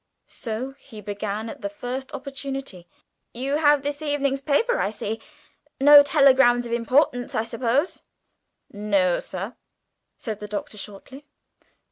So he began at the first opportunity: "You have this evening's paper, I see. No telegrams of importance, I suppose?" "No, sir," said the Doctor shortly.